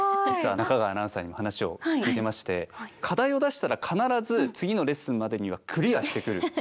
実は中川アナウンサーにも話を聞いてまして課題を出したら必ず次のレッスンまでにはクリアしてくる。